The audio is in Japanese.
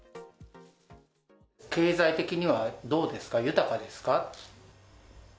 経済的にはどうですか、豊かですか。